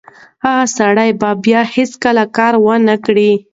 هغه سړی به بیا هیڅکله بد کار ونه کړي.